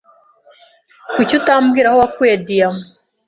Kuki utambwira aho wakuye diyama?